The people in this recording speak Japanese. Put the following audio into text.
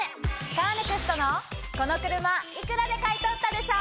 カーネクストのこの車幾らで買い取ったでしょ！